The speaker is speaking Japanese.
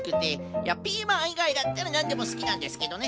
いやピーマンいがいだったらなんでもすきなんですけどね。